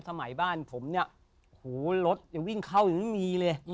สมัยบ้านผมเนี่ยหูรถยังวิ่งเข้ายังไม่มีเลย